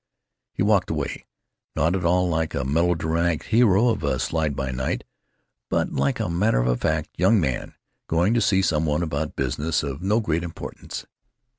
He walked away—not at all like a melodramatic hero of a slide by night, but like a matter of fact young man going to see some one about business of no great importance.